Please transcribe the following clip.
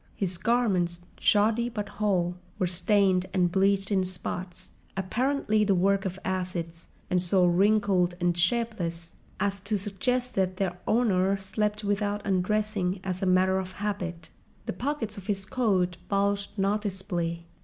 His garments, shoddy but whole, were stained and bleached in spots, apparently the work of acids, and so wrinkled and shapeless as to suggest that their owner slept without undressing as a matter of habit. The pockets of his coat bulged noticeably.